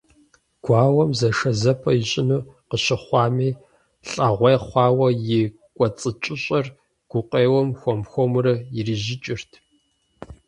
Гуауэм зэшэзэпӀэ ищӀыну къыщыхъуами, лӀэгъуей хъуауэ и кӀуэцӀыкӀыщӀэр гукъеуэм хуэм-хуэмурэ ирижьыкӀырт.